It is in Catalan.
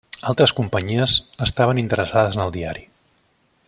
Altres companyies estaven interessades en el diari.